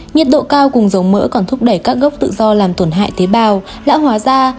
nhiệt độ cao cùng dòng mỡ còn thúc đẩy các gốc tự do làm tổn hại tế bào lã hóa da